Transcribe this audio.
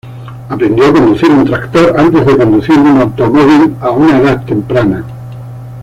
Aprendió a conducir un tractor antes de conducir un automóvil a una edad temprana.